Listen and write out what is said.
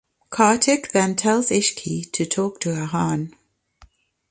Kartik then tells Ishqi to talk to Ahaan.